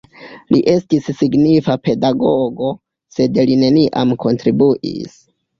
Li estis signifa pedagogo, sed li neniam kontribuis.